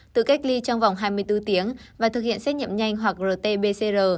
tự cách ly trong vòng hai mươi bốn tiếng và thực hiện xét nghiệm nhanh hoặc rt pcr